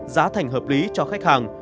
giá thành hợp lý cho khách hàng